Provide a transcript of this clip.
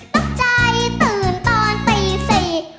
ตกใจตื่นตอนตีสี่